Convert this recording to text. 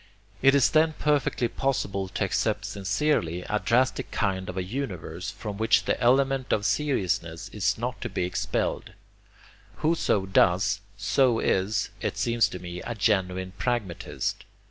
It is then perfectly possible to accept sincerely a drastic kind of a universe from which the element of 'seriousness' is not to be expelled. Whoso does so is, it seems to me, a genuine pragmatist.